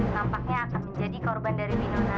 nampaknya akan menjadi korban dari binona